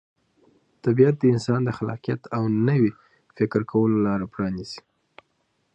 طبیعت د انسان د خلاقیت او نوي فکر کولو لاره پرانیزي.